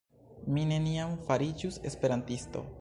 Mi neniam fariĝus Esperantisto